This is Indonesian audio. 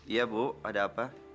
iya bu ada apa